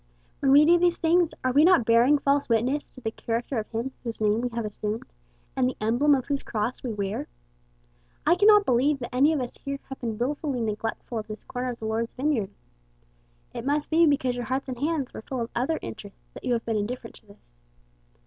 When we do these things, are we not bearing false witness to the character of him whose name we have assumed, and the emblem of whose cross we wear? I can not believe that any of us here have been willfully neglectful of this corner of the Lord's vineyard. It must be because your hearts and hands were full of other interests that you have been indifferent to this."